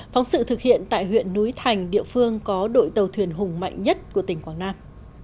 phóng sự thực hiện tại huyện núi thành địa phương có đội tàu thuyền hùng mạnh nhất của tỉnh quảng nam